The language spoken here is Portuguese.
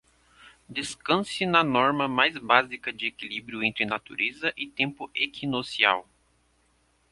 Descanse na norma mais básica de equilíbrio entre natureza e tempo equinocial.